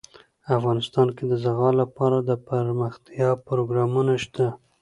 افغانستان کې د زغال لپاره دپرمختیا پروګرامونه شته.